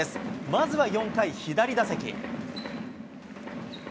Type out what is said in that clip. まずは４回、左打席。